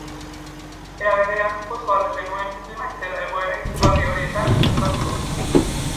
Era berean, oso argi genuen filma ez zela egoera izugarri horietan zentratuko.